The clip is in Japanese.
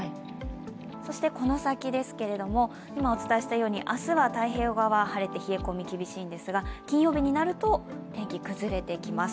そしてこの先ですけれども、今、お伝えしたように明日は太平洋側、厳しいんですが金曜日になると、天気が崩れてきます。